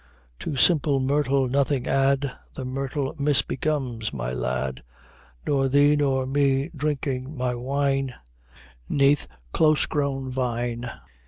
"To simple myrtle nothing add; The myrtle misbecomes, my lad, Nor thee nor me drinking my wine 'Neath close grown vine."